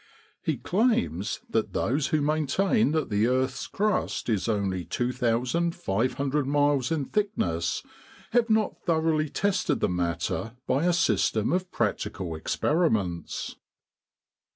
He claims that those who maintain that the earth's crust is only 2,500 miles in thickness have not thoroughly tested the matter by a system of practical experiments.